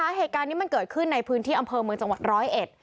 เหตุการณ์นี้มันเกิดขึ้นในพื้นที่อำเภอเมืองจังหวัดร้อยเอ็ด